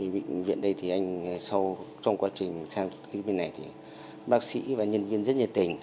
bệnh viện đây thì trong quá trình sang bên này thì bác sĩ và nhân viên rất nhiệt tình